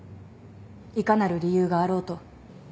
いかなる理由があろうと。